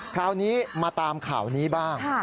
คราวนี้มาตามข่าวนี้บ้าง